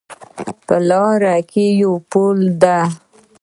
په لاره کې یو پل ده